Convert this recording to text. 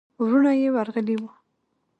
وروڼه يې ورغلي ول.